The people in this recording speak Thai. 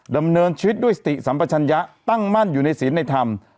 ดำเนินชีวิตด้วยสติสัมปัชญะตั้งมั่นอยู่ในศีลในธรรม